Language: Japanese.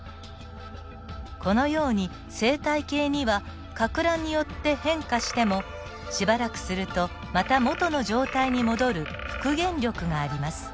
このように生態系にはかく乱によって変化してもしばらくするとまた元の状態に戻る復元力があります。